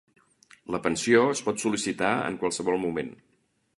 La pensió es pot sol·licitar en qualsevol moment.